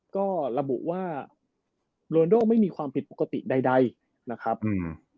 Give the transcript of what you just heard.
ก็ระบุว่าโรนโดไม่มีความผิดปกติใดใดนะครับอืม